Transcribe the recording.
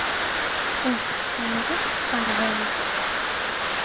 Este es mi regalo para ella.